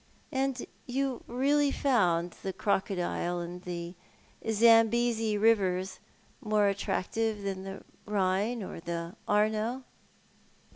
And you really found the Crocodile and the Zambesi Pavers more attractive than the Rhine or the Arno